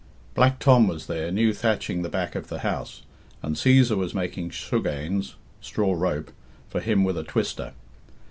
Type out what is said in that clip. Black Tom was there, new thatching the back of the house, and Cæsar was making sugganes (straw rope) for him with a twister.